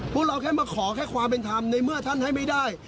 พวกเราแค่มาขอแค่ความเป็นธรรมในเมื่อท่านให้ไม่ได้